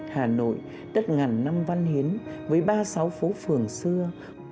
hà nội tất ngàn năm văn hiến với ba sáu phố phường xưa